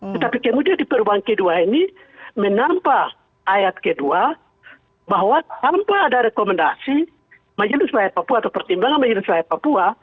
tetapi kemudian di perubahan kedua ini menambah ayat kedua bahwa tanpa ada rekomendasi majelis rakyat papua atau pertimbangan majelis rakyat papua